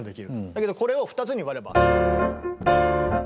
だけどこれを２つに割れば。